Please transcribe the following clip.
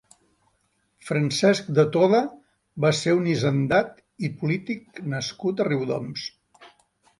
Francesc de Toda va ser un hisendat i polític nascut a Riudoms.